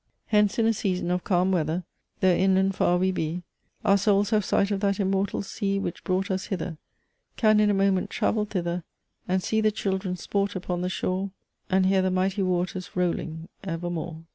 Hence, in a season of calm weather, Though inland far we be, Our Souls have sight of that immortal sea Which brought us hither; Can in a moment travel thither, And see the children sport upon the shore, And hear the mighty waters rolling evermore."